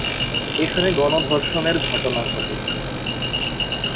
এখানে গণধর্ষণের ঘটনা ঘটে।